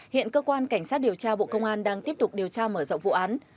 hiện cơ quan cảnh sát điều tra bộ công an đang tiếp tục điều tra mở rộng vụ án